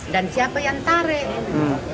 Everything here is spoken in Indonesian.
dan siapa yang tarik